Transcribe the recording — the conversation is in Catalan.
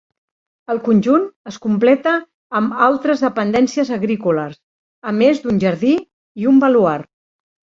El conjunt es completa amb altres dependències agrícoles, a més d'un jardí i un baluard.